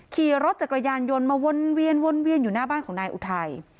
ขี่รถจักรยานยนต์มาวนเวียนวนเวียนอยู่หน้าบ้านของนายอุทัย